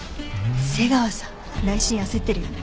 瀬川さん内心焦ってるよね。